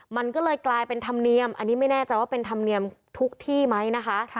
มันก็เลยกลายเป็นธรรมเนียมอันนี้ไม่แน่ใจว่าเป็นธรรมเนียมทุกที่ไหมนะคะ